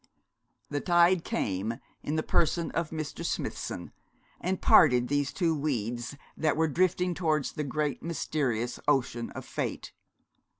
The tide came, in the person of Mr. Smithson, and parted these two weeds that were drifting towards the great mysterious ocean of fate.